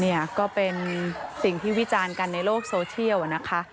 เนี่ยก็เป็นสิ่งที่วิจารณ์กันในโลกโซเชียลนะคะ